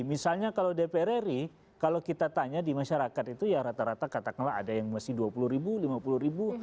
misalnya kalau dpr ri kalau kita tanya di masyarakat itu ya rata rata katakanlah ada yang masih dua puluh ribu lima puluh ribu